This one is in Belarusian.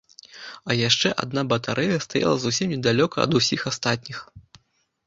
А яшчэ адна батарэя стаяла зусім далёка ад усіх астатніх.